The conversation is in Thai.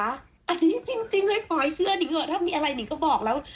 อันนี้จริงเลยขอให้เชื่อถ้ามีอะไรหนิ่งก็บอกแล้ว